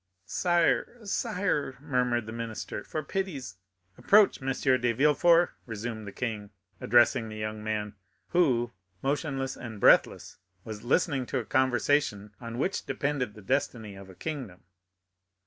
"Sire, sire," murmured the minister, "for pity's——" "Approach, M. de Villefort," resumed the king, addressing the young man, who, motionless and breathless, was listening to a conversation on which depended the destiny of a kingdom.